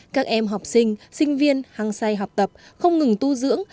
các em học sinh sinh viên hăng say học tập không ngừng tu dưỡng